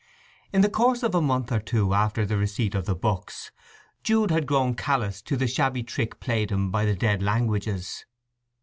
In the course of a month or two after the receipt of the books Jude had grown callous to the shabby trick played him by the dead languages.